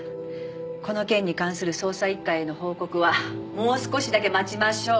この件に関する捜査一課への報告はもう少しだけ待ちましょう。